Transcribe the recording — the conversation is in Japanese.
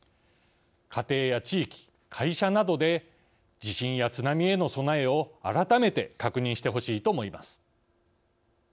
家庭や地域会社などで地震や津波への備えを改めて確認してほしいと思います。